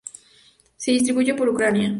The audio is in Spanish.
Se distribuye por Ucrania.